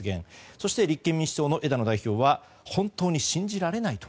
そして、立憲民主党の枝野代表は本当に信じられないと。